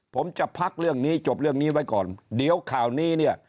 ผมจะพักเรื่องนี้จบเรื่องนี้ไว้ก่อนเดี๋ยวข่าวนี้เนี่ย